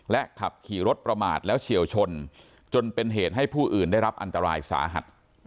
ขับขี่รถประมาทแล้วเฉียวชนจนเป็นเหตุให้ผู้อื่นได้รับอันตรายสาหัส